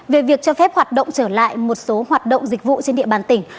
về việc cho phép hoạt động trở lại một số hoạt động dịch vụ trên địa bàn tỉnh